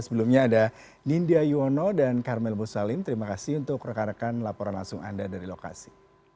sebelumnya ada nindya yuwono dan karmel musalim terima kasih untuk rekan rekan laporan langsung anda dari lokasi